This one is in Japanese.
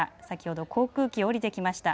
先ほど航空機を降りてきました。